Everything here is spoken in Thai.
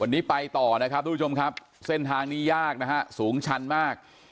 วันนี้ไปต่อนะครับทุกผู้ชมครับเส้นทางนี้ยากนะฮะสูงชันมาก